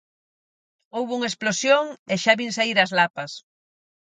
Houbo unha explosión e xa vin saír as lapas.